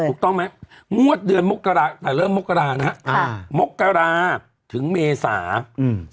ถูกต้องไหมงวดเดือนมกราแต่เริ่มมกรานะฮะอ่ามกราถึงเมษาอืม